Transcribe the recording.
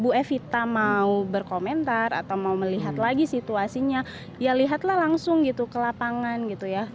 bu evita mau berkomentar atau mau melihat lagi situasinya ya lihatlah langsung gitu ke lapangan gitu ya